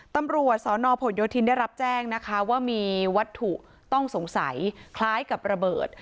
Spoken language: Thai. ตำรวจสนผลโยธินได้รับแจ้งนะคะว่ามีวัตถุต้องสงสัยคล้ายกับระเบิด